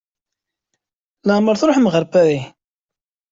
Leɛmeṛ Tṛuḥem ɣer Paris?